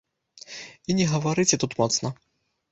І не гаварыце тут моцна.